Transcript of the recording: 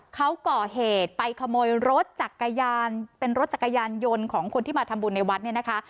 เขาก่อเหตุไปขโมยรถจักรยานเป็นรถจักรยานยนต์ของคนที่มาทำบุญในวัดเนี่ยนะคะ